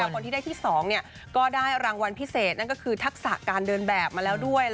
คนที่ได้ที่๒ก็ได้รางวัลพิเศษนั่นก็คือทักษะการเดินแบบมาแล้วด้วย